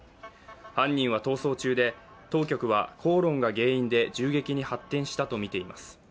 犯人は逃走中で、当局は口論が原因で銃撃に発展したとみています。